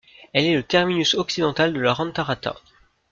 Elle est le terminus occidental de la Rantarata.